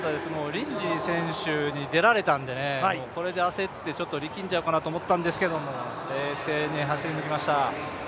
リンジー選手に出られたのでこれで焦って力んじゃうかなと思いましたけど、冷静に走り抜きました。